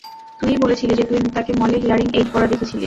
তুই-ই বলেছিলি যে তুই তাকে মলে হিয়ারিং এইড পরা দেখেছিলি।